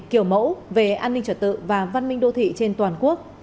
kiểu mẫu về an ninh trật tự và văn minh đô thị trên toàn quốc